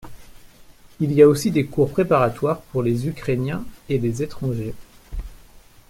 Il y a aussi des cours préparatoires pour les ukrainiens et les étrangers.